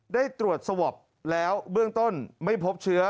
ได้ตรวจสวอปแล้วเบื้องต้นไม่พบเชื้อ